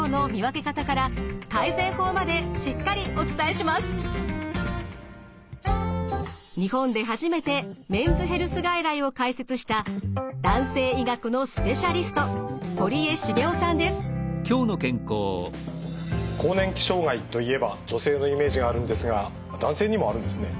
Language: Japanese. そこで今日は日本で初めてメンズヘルス外来を開設した男性医学のスペシャリスト更年期障害といえば女性のイメージがあるんですが男性にもあるんですね。